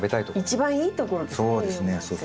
一番いいところですね